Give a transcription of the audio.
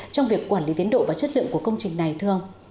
trong việc quản lý tiến độ và chất lượng của công trình này thưa ông